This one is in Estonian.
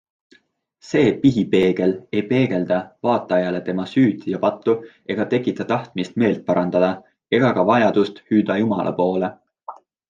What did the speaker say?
See pihipeegel ei peegelda vaatajale tema süüd ja pattu ega tekita tahtmist meelt parandada ega ka vajadust hüüda Jumala poole.